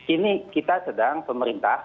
ini kita sedang pemerintah